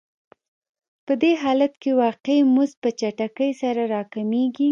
په دې حالت کې واقعي مزد په چټکۍ سره راکمېږي